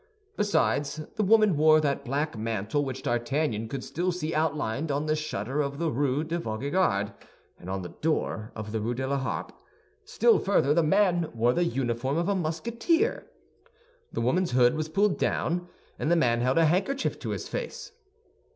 Besides, the woman wore that black mantle which D'Artagnan could still see outlined on the shutter of the Rue de Vaugirard and on the door of the Rue de la Harpe; still further, the man wore the uniform of a Musketeer. The woman's hood was pulled down, and the man held a handkerchief to his face.